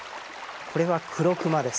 これはクロクマです。